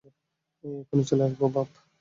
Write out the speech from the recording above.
এখনি চলে আসব, বাপ।